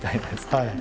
はい。